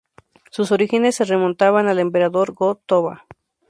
Sus orígenes se remontan al emperador Go-Toba.